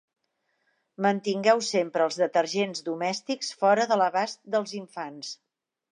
Mantingueu sempre els detergents domèstics fora de l'abast dels infants.